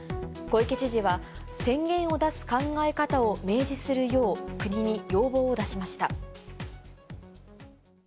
小池知事は、宣言を出す考え方を明示するよう国に要望を出しました。